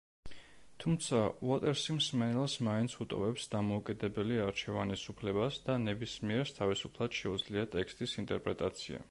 თუმცა, უოტერსი მსმენელს მაინც უტოვებს დამოუკიდებელი არჩევანის უფლებას და ნებისმიერს თავისუფლად შეუძლია ტექსტის ინტერპრეტაცია.